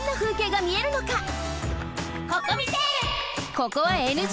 ここはＮＧ。